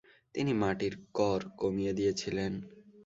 তিনি মাটির কড় কমিয়ে দিয়েছিলেন।